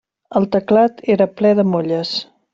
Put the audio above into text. El teclat era ple de molles.